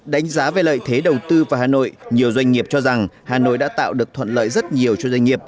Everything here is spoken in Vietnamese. đánh giá về lợi thế đầu tư vào hà nội nhiều doanh nghiệp cho rằng hà nội đã tạo được thuận lợi rất nhiều cho doanh nghiệp